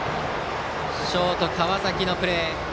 ショートの川崎のプレー。